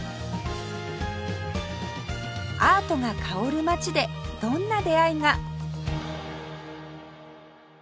アートが薫る街でどんな出会いが？